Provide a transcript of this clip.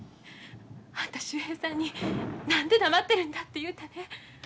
あんた秀平さんに何で黙ってるんだって言うたね。